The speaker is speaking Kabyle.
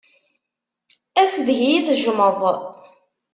Ass deg iyi-tejjmeḍ.